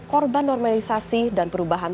korban normalisasi dan perubahan